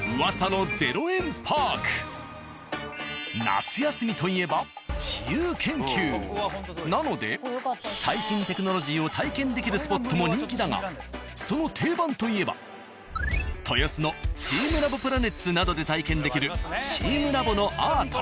夏休みといえばなので最新テクノロジーを体験できるスポットも人気だがその定番といえば豊洲のチームラボプラネッツなどで体験できる「チームラボ」のアート。